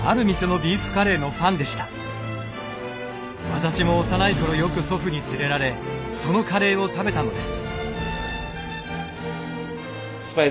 私も幼い頃よく祖父に連れられそのカレーを食べたのです。